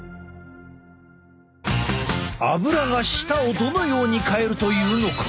アブラが舌をどのように変えるというのか？